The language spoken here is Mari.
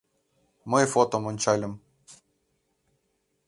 Мый фотом ончальым.